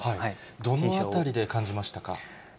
どのあたりで感じましたか。